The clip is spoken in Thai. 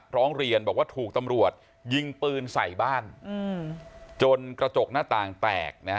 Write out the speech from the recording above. ร้องเรียนบอกว่าถูกตำรวจยิงปืนใส่บ้านจนกระจกหน้าต่างแตกนะฮะ